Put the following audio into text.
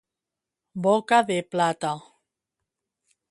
Boca de plata.